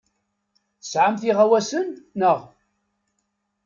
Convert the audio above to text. Tesɛamt iɣawasen, naɣ?